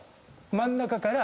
真ん中から。